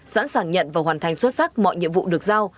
sẵn sàng nhận và hoàn thành xuất sắc mọi nhiệm vụ được giao